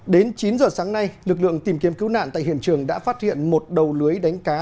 đến chín giờ sáng nay lực lượng tìm kiếm cứu nạn tại hiện trường đã phát hiện một đầu lưới đánh cá